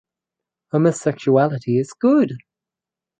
Homosexuality is good!